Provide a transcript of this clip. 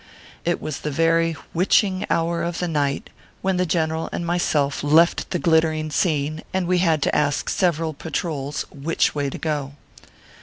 It was the very which ing hour of the night when the general and myself left the glittering scene, and we had to ask several patrols " which" way to go.